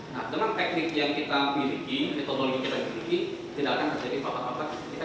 nah dengan teknik yang kita miliki metodologi kita miliki tidak akan terjadi apa apa